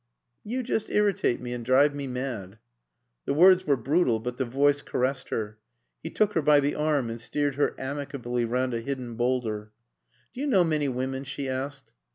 "You just irritate me and drive me mad." The words were brutal but the voice caressed her. He took her by the arm and steered her amicably round a hidden boulder. "Do you know many women?" she asked.